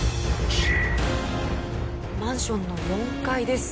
マンションの４階です。